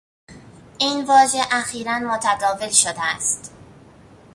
این واژه اخیرا متداول شده است.